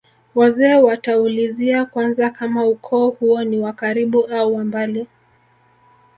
wazee wataulizia kwanza kama ukoo huo ni wa karibu au wa mbali